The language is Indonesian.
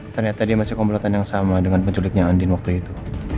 ternyata dia masih komplotan yang sama dengan penculiknya andin waktu itu